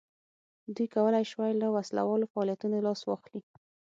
دوی کولای شوای له وسله والو فعالیتونو لاس واخلي.